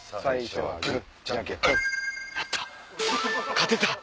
勝てた！